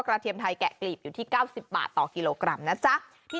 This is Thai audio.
เทียมไทยแกะกลีบอยู่ที่๙๐บาทต่อกิโลกรัมนะจ๊ะ